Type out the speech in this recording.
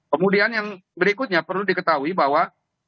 kemudian yang berikutnya perlu diketahui bahwa